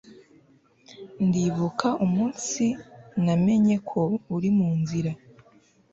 ndibuka umunsi namenye ko uri munzira